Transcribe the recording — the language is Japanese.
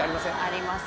あります